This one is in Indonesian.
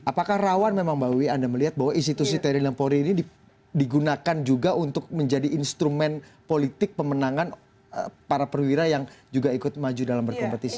apakah rawan memang mbak wiwi anda melihat bahwa institusi tni dan polri ini digunakan juga untuk menjadi instrumen politik pemenangan para perwira yang juga ikut maju dalam berkompetisi